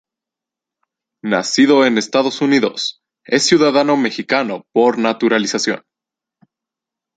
Nacido en Estados Unidos, es ciudadano mexicano por naturalización.